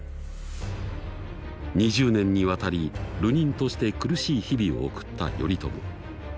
２０年にわたり流人として苦しい日々を送った頼朝。